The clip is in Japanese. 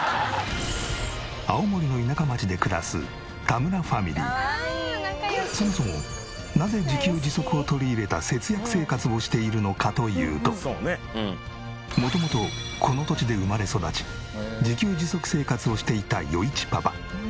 青森のそもそもなぜ自給自足を取り入れた節約生活をしているのかというと元々この土地で生まれ育ち自給自足生活をしていた余一パパ。